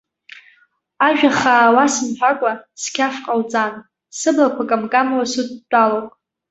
Ажәахаа уасымҳәакәа, сқьаф ҟауҵан, сыблақәа камкамуа судтәалоуп.